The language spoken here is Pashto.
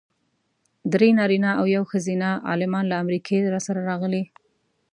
درې نارینه او یوه ښځینه عالمان له امریکې راسره راغلي.